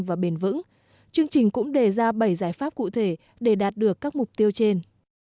và bền vững chương trình cũng đề ra bảy giải pháp cụ thể để đạt được các mục tiêu trên